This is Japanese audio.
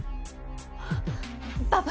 あっ！